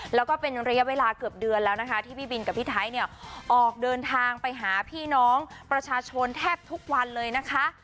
แล้วก็เป็นระยะเวลาเกือบเดือนแล้วนะคะที่พี่บินกับพี่ไทยเนี่ยออกเดินทางไปหาพี่น้องประชาชนแทบทุกวันเลยนะคะ